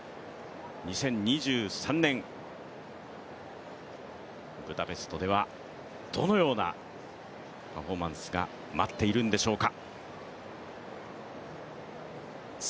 ２０２３年、ブダペストではどのようなパフォーマンスが待っているんでしょうか。